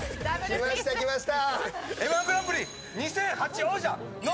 来ました来ました。